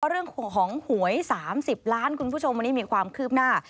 เรื่องของหวย๓๐ล้านคุณผู้ชมวันนี้มีความคืบหน้า